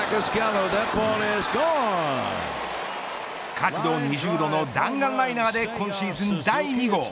角度２０度の弾丸ライナーで今シーズン第２号。